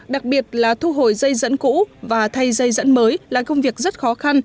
đặc biệt là thu hồi dây dẫn cũ và thay dây dẫn mới là công việc rất khó khăn